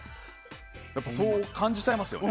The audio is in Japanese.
そう感じちゃいますよね。